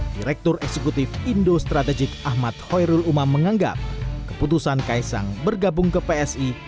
direktur eksekutif indo strategik ahmad khairul umam menganggap keputusan kaisang bergabung ke psi